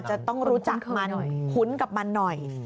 จะต้องรู้จักมันคุ้นกับมันหน่อย